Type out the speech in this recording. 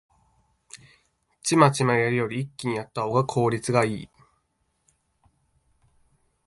チマチマやるより一気にやったほうが効率いい